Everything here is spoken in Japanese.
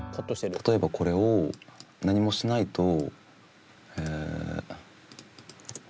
例えばこれを何もしないと。